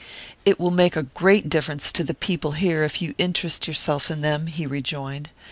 "It will make a great difference to the people here if you interest yourself in them," he rejoined.